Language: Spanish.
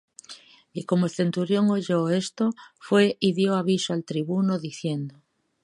Y como el centurión oyó esto, fué y dió aviso al tribuno, diciendo